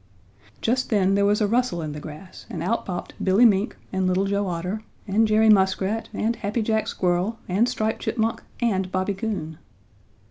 Just then there was a rustle in the grass and out popped Billy Mink and Little Joe Otter and Jerry Muskrat and Happy Jack Squirrel and Striped Chipmunk and Bobby Coon.